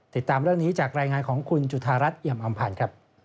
ติดตามเรื่องนี้จากรายงานของคุณจุธารัฐเอี่ยมอำพันธ์ครับ